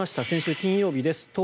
先週金曜日です。